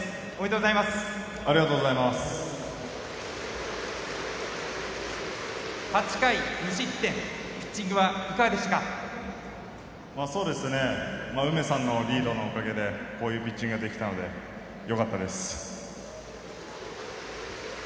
うめさんのリードのおかげでこういうピッチングができたのでよかったです。